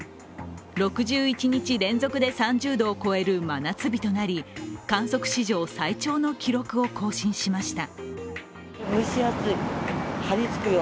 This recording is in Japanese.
６１日連続で３０度を超える真夏日となり、観測史上最長の記録を更新しました。